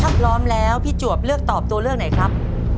ถ้าพร้อมแล้วพี่จวบเลือกตอบตัวเลือกไหนครับ